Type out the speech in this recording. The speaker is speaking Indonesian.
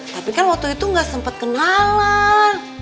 tapi kan waktu itu gak sempat kenalan